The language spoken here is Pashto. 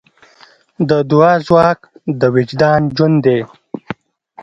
د دعا ځواک د وجدان ژوند دی.